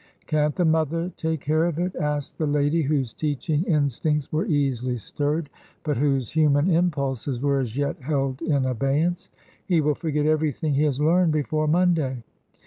Can't the mother take care of it ?" asked the lady whose teaching instincts were easily stirred, but whose THE LOOM HOUSE ACADEMY 93 human impulses were as yet held in abeyance. He will forget everything he has learned before Monday.